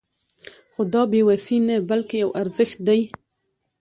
خو دا بې وسي نه بلکې يو ارزښت دی.